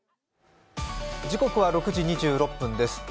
時刻は６時２６分です。